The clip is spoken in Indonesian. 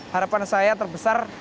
harapan saya terbesar